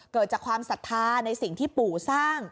เกิดจากความศรัทธาในสิ่งที่ปู่สร้าง